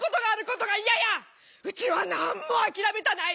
うちは何も諦めたない。